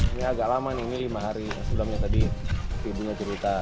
ini agak lama nih lima hari sebelumnya tadi ibunya cerita